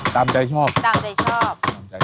ตามใจชอบได้บ้าง